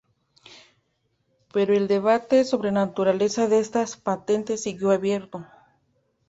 Pero el debate sobre la naturaleza de estas patentes siguió abierto.